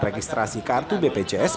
registrasi kartu bpjs